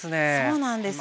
そうなんです。